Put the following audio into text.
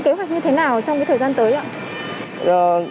kế hoạch như thế nào trong thời gian tới